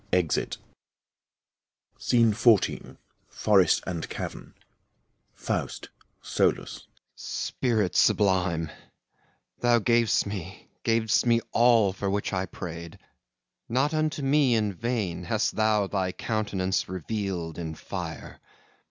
[Exit. XIV FOREST AND CAVERN FAUST (solus) Spirit sublime, thou gav'st me, gav'st me all For which I prayed. Not unto me in vain Hast thou thy countenance revealed in fire.